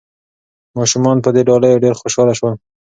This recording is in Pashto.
ماشومان په دې ډالیو ډېر خوشاله شول.